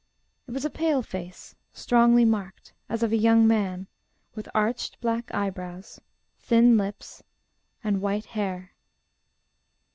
It was a pale face, strongly marked, as of a young man, with arched, black eyebrows, thin lips, and white hair.